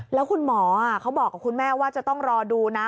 แล้วคุณหมอเขาบอกกับคุณแม่ว่าจะต้องรอดูนะ